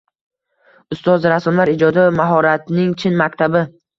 Ustoz rassomlar ijodi – mahoratning chin maktabi